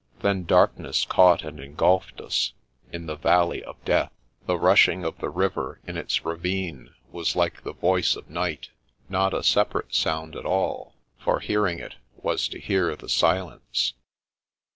Then darkness caught and engulfed us, in the Val ley of Death. The rushing of the river in its ravine was like the voice of night, not a separate sound at all, for hearing it was to hear the silence.